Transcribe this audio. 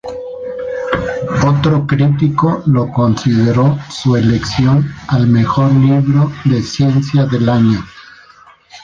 Otro crítico lo consideró su elección al mejor libro de ciencia del año.